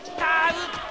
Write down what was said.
打った！